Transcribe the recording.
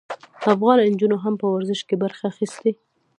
افغان نجونو هم په ورزش کې برخه اخیستې.